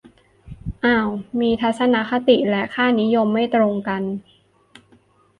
อ้าวมีทัศนคติและค่านิยมไม่ตรงกัน